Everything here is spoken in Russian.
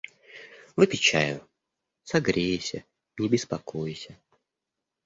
Выпей чаю, согрейся, не беспокойся.